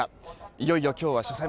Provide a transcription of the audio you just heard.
いよいよ今日は初戦。